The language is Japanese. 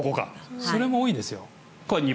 それも多いですよ。